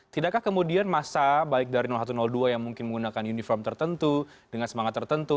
tidakkah kemudian masa baik dari satu dua yang mungkin menggunakan uniform tertentu dengan semangat tertentu